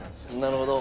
なるほど。